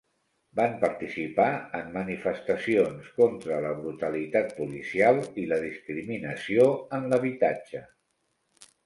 Van participar en manifestacions contra la brutalitat policial i la discriminació en l'habitatge.